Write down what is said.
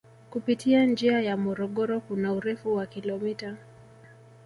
kupitia njia ya Morogoro kuna urefu wa kilomita